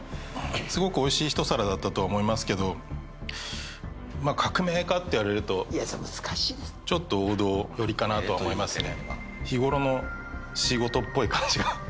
すごくおいしいひと皿だったと思いますけど革命かって言われるとちょっと王道寄りかなとは思いますね